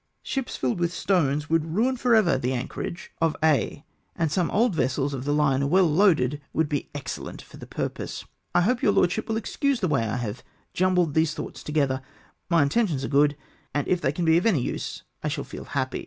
" Ships filled with stones would ruin for ever the anchorage 364 MY PEIXCIPLES OF WARFARE. of Aix, and some old vessels of the line well loaded would be excellent for the purpose. " I hope your lordship will excuse the way in which I have jumbled these thoughts together. My intentions are good, and if they can be of any use, I shall feel happy.